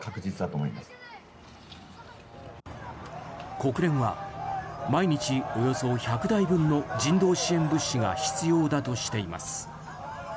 国連は毎日およそ１００台分の人道支援物資が必要だとしています。